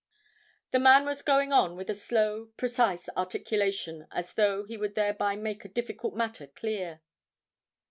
The man was going on with a slow, precise articulation as though he would thereby make a difficult matter clear.